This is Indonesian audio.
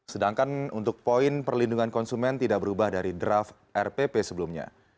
sedangkan untuk poin perlindungan konsumen tidak berubah dari draft rpp sebelumnya